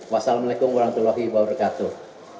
wassalamu'alaikum warahmatullahi wabarakatuh